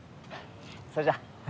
それじゃあ。